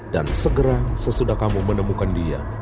dan segera sesudah kamu menemukan dia